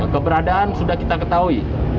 keberadaan sudah kita ketahui